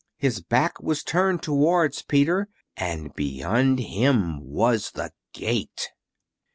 His back was turned towards Peter, and beyond him was the gate!